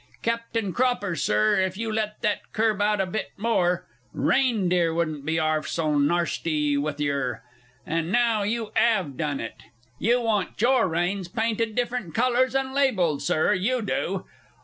Captain Cropper, Sir, if you let that curb out a bit more, Reindeer wouldn't be 'arf so narsty with yer.... Ah, now you 'ave done it. You want your reins painted different colours and labelled, Sir, you do.